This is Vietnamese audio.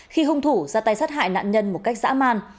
khi hung thủ ra tay sát hại nạn nhân một cách dã man